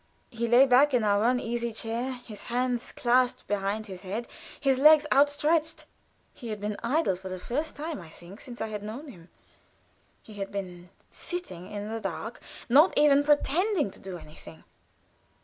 He lay back in our one easy chair, his hands clasped behind his head, his legs outstretched. He had been idle for the first time, I think, since I had known him. He had been sitting in the dark, not even pretending to do anything.